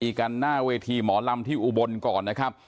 กันหน้าเวทีหมอลำที่อุบลก่อนนะครับ